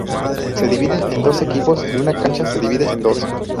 Se dividen en dos equipos y una cancha se divide en dos.